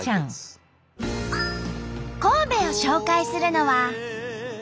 神戸を紹介するのは。